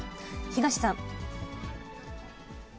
東さん。